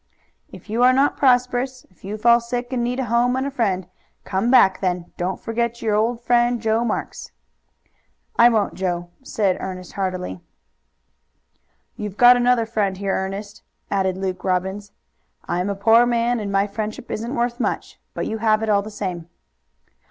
"If you are not prosperous, if you fall sick and need a home and a friend, come back then. Don't forget your old friend Joe Marks." "I won't, Joe," said Ernest heartily. "You've got another friend here, Ernest," added Luke Robbins. "I'm a poor man, and my friendship isn't worth much, but you have it, all the same."